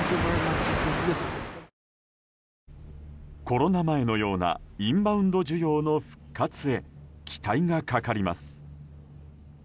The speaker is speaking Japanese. コロナ前のようなインバウンド需要の復活へ期待がかかります。